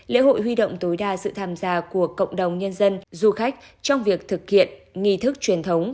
lễ hội huy động tối đa sự tham gia của cộng đồng nhân dân du khách trong việc thực hiện nghi thức truyền thống